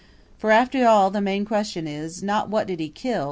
For after all the main question is not "What did he kill?"